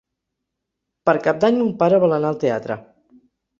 Per Cap d'Any mon pare vol anar al teatre.